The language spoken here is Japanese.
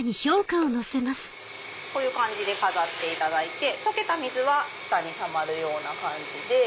こういう感じで飾っていただいて解けた水は下にたまる感じで。